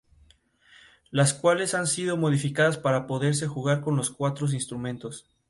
Las cuales han sido modificadas para poderse jugar con los cuatros instrumentos.